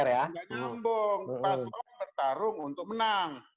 tidak nyambung paslon bertarung untuk menang